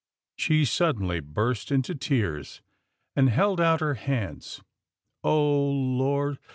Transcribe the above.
She suddenly burst into tears, and held out her hands, " Oh Lord